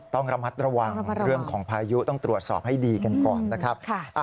ต้องระมัดระวังเรื่องของพายุต้องตรวจสอบให้ดีกันก่อนนะครับ